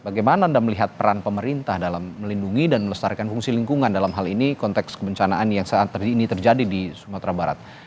bagaimana anda melihat peran pemerintah dalam melindungi dan melestarikan fungsi lingkungan dalam hal ini konteks kebencanaan yang saat ini terjadi di sumatera barat